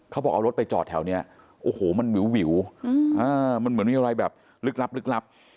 เขาบอกเอารถไปจอดแถวนี้โอ้โหมันวิวมันเหมือนมีอะไรแบบลึกลับลึกลับ